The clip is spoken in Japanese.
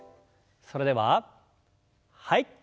それでははい。